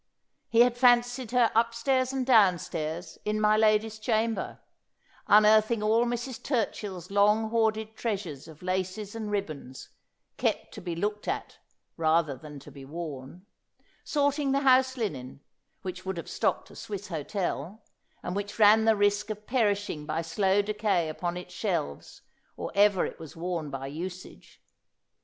He had fancied her upstairs and down stairs, in my lady's chamber ; unearthing all Mrs. Turchill's long hoarded treasures of laces and ribbons, kept to be looked at rather than to be worn ; sorting the house linen, which would have stocked a Swiss hotel, and which ran the risk of perishing by slow decay upon its shelves or ever it was worn by usage.